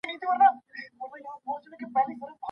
که مرسته وشي، ستونزه حل کېږي.